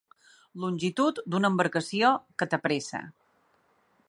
Longitud d'una embarcació que t'apressa.